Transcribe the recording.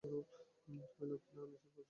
তুমি আলাপ করো আনিসের সাথে, কেমন?